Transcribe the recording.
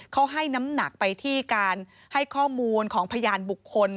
เขาให้น้ำหนักไปที่การให้ข้อมูลของพยานบุคคล